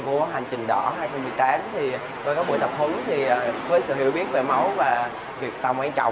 của hành trình đỏ hai nghìn một mươi tám với các buổi tập hứng với sự hiểu biết về máu và việc tầm quan trọng